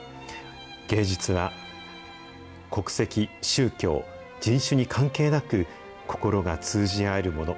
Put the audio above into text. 芸術は国籍、宗教、人種に関係なく、心が通じ合えるもの。